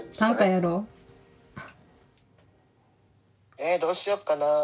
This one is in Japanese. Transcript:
えどうしよっかなあ。